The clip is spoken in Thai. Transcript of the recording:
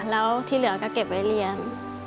แล้วที่เหลือก็เก็บไว้เรียน